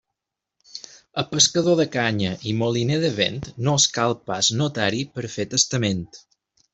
A pescador de canya i moliner de vent no els cal pas notari per fer testament.